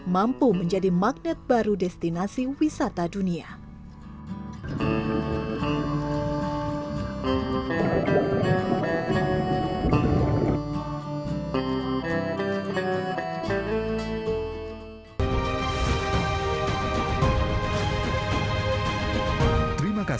mampu menjadi magnet baru destinasi wisata dunia